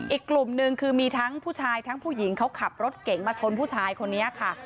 อีกกลุ่มนึงคือมีทั้งผู้ชายทั้งผู้หญิงเขาขับรถเก๋งมาชนผู้ชายคนนี้ค่ะ